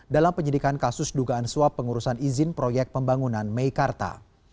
dalam penyidikan kasus dugaan suap pengurusan izin proyek pembangunan meikarta